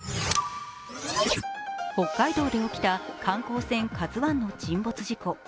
北海道で起きた観光船「ＫＡＺＵⅠ」の沈没事故。